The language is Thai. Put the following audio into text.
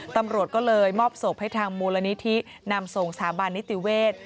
ตำรวจก็เลยมอบศพให้ทางมูลนิธินำส่งสถาบันนิติเวศ